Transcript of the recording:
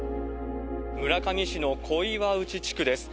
村上市の小岩内地区です。